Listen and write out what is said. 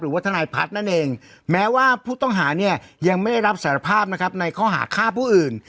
หรือว่าทนายพัฒน์นั่นเองแม้ว่าผู้ต้องหาเนี่ยยังไม่ได้รับสารภาพนะครับในข้อหาฆ่าผู้อื่น